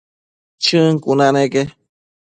Chën cuna neque